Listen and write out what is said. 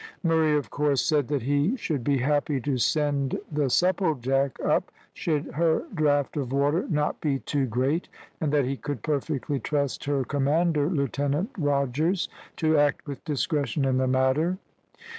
Murray, of course, said that he should be happy to send the Supplejack up, should her draft of water not be too great, and that he could perfectly trust her commander, Lieutenant Rogers, to act with discretion in the matter.